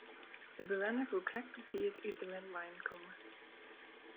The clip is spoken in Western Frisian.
De bewenner koe krekt op 'e tiid út de wenwein komme.